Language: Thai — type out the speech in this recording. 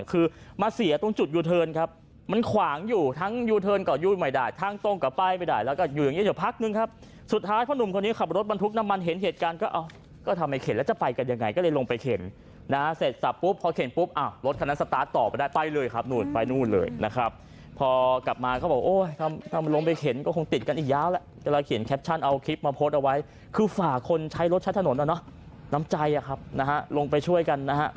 คือมาเสียตรงจุดยูเทิร์นครับมันขวางอยู่ทั้งยูเทิร์นกับยูไม่ได้ทั้งตรงกับป้ายไม่ได้แล้วก็อยู่อย่างนี้อยู่พักนึงครับสุดท้ายพ่อนุ่มคนนี้ขับรถบรรทุกน้ำมันเห็นเหตุการณ์ก็เอาก็ทำให้เข็นแล้วจะไปกันยังไงก็เลยลงไปเข็นนะเสร็จสับปุ๊บพอเข็นปุ๊บอ่าวรถคนนั้นสตาร์ทต่อไปได้ไปเลยครับนู่นไปนู่นเลยนะ